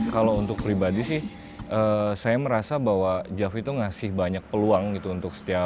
kalau untuk pribadi sih saya merasa bahwa jav itu ngasih banyak peluang gitu untuk setia